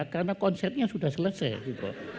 karena konsernya sudah selesai